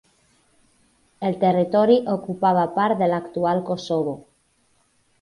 El territori ocupava part de l'actual Kosovo.